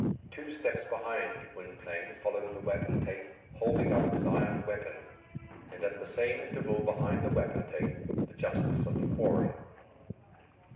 Two steps behind Gwynplaine followed the wapentake, holding up his iron weapon; and at the same interval behind the wapentake, the justice of the quorum.